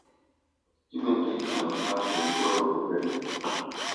timu ya taifa ya ufaransa ilikuwa inaogopeka